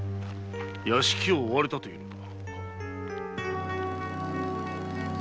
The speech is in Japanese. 「屋敷を追われた」と言うのか。